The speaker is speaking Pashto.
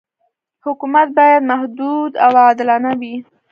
حکومت باید محدود او عادلانه وي.